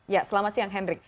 ya selamat siang hendrik